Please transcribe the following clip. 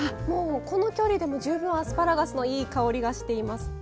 もうこの距離でも十分アスパラガスのいい香りがしています。